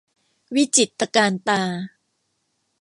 วิจิตรตระการตา